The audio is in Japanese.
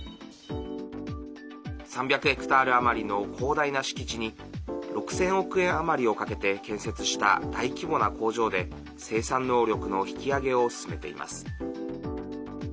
３００ヘクタール余りの広大な敷地に６０００億円余りをかけて建設した大規模な工場で生産能力の引き上げを進めています。